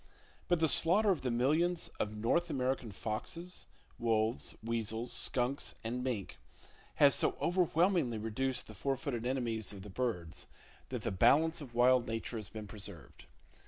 But the slaughter of the millions of North American foxes, wolves, weasels, skunks, and mink has so overwhelmingly reduced the four footed enemies of the birds that the balance of wild Nature has been preserved.